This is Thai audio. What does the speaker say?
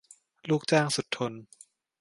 ลูกจ้างสุดทน